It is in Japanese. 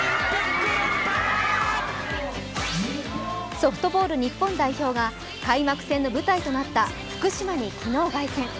ソフトボール日本代表が開幕戦の舞台となった福島に昨日、凱旋。